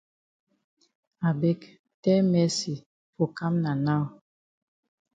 I beg tell Mercy for kam na now.